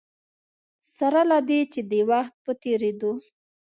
سره له دې چې د وخت په تېرېدو.